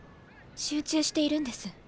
集中しているんです。